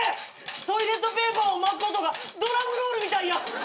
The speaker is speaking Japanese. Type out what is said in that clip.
トイレットペーパーを巻く音がドラムロールみたいや。